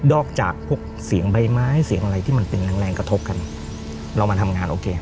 อกจากพวกเสียงใบไม้เสียงอะไรที่มันเป็นแรงแรงกระทบกันเรามาทำงานโอเค